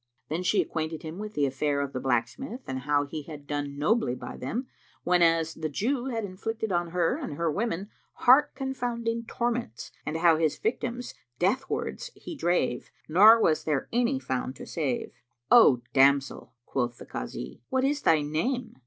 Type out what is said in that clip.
Then she acquainted him with the affair of the blacksmith and how he had done nobly by them, whenas the Jew had inflicted on her and her women heart confounding torments; and how his victims deathwards he drave, nor was there any found to save. "O damsel," quoth the Kazi, "what is thy name?"